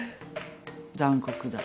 残酷だ。